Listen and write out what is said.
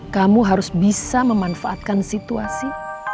kamu harus bisa memanfaatkan situasi